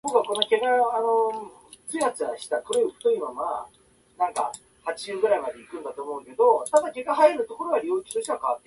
新疆ウイグル自治区の自治区首府はウルムチである